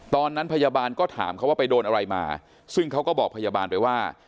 ตอนนั้นพยาบาลก็ถามเขาว่าไปโดนอะไรมาซึ่งเขาก็บอกพยาบาลไปว่า